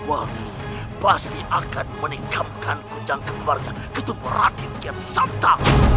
mami pasti akan menikamkan kucang kembarnya ketua beratim kirsanta